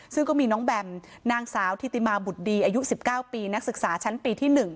ซึ่งก็มีน้องแบมนางสาวธิติมาบุตรดีอายุ๑๙ปีนักศึกษาชั้นปีที่๑